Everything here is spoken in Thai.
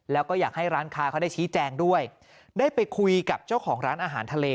แล้วก็อยากให้ร้านค้าเขาได้ชี้แจงด้วยได้ไปคุยกับเจ้าของร้านอาหารทะเล